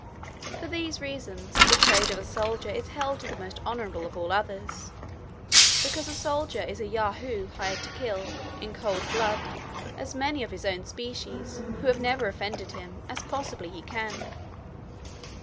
For these reasons, the trade of a soldier is held the most honourable of all others; because a soldier is a Yahoo hired to kill, in cold blood, as many of his own species, who have never offended him, as possibly he can.